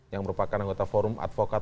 yang merupakan anggota forum advokat